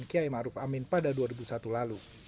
kalian ber brake